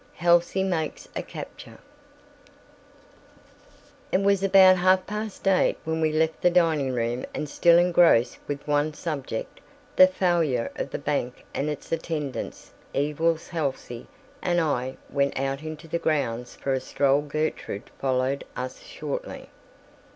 HALSEY MAKES A CAPTURE It was about half past eight when we left the dining room, and still engrossed with one subject, the failure of the bank and its attendant evils, Halsey and I went out into the grounds for a stroll. Gertrude followed us shortly.